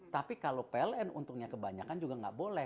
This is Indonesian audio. tapi kalau pln untungnya kebanyakan juga nggak boleh